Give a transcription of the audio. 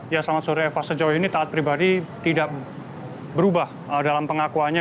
ya selamat sore eva sejauh ini taat pribadi tidak berubah dalam pengakuannya